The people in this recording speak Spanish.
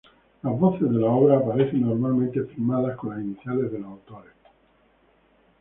Las voces de la obra aparecen normalmente firmadas con las iniciales de los autores.